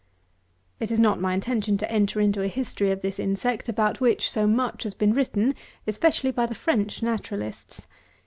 It is not my intention to enter into a history of this insect about which so much has been written, especially by the French naturalists.